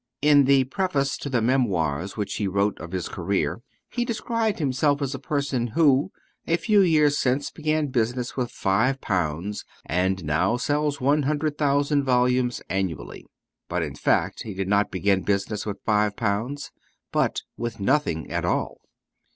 In the preface to the Memoirs which he wrote of his career he described himself as a person "who, a few years since, began business with five pounds, and now sells one hundred thousand volumes annually." But in fact he did not begin business with five pounds, but with nothing at all.